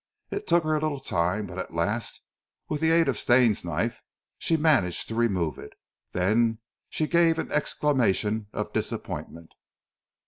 It took her a little time, but at last, with the aid of Stane's knife, she managed to remove it. Then she gave an exclamation of disappointment.